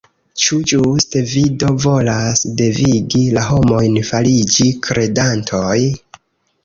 Ĉu ĝuste vi do volas devigi la homojn fariĝi kredantoj?